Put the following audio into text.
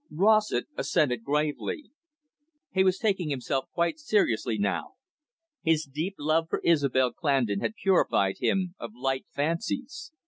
Rossett assented gravely. He was taking himself quite seriously now. His deep love for Isobel Clandon had purified him of light fancies.